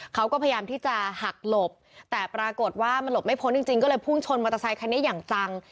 เขาก็พยายามที่จะหักหลบแต่ปรากฏว่ามันหลบไม่พ้นจริงก็เลยพุ่งชนมอเตอร์ไซคันนี้อย่างจัง